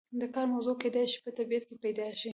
د کار موضوع کیدای شي په طبیعت کې پیدا شي.